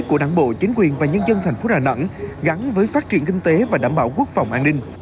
của đảng bộ chính quyền và nhân dân thành phố đà nẵng gắn với phát triển kinh tế và đảm bảo quốc phòng an ninh